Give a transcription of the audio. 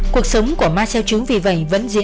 cuộc sống của ma seo trứng vì vậy không được tìm ra